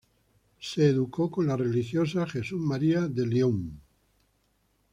Se educó con las religiosas Jesús María de Lyon.